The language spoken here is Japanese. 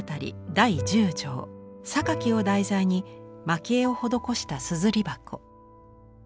第１０帖「賢木」を題材に蒔絵を施した硯箱。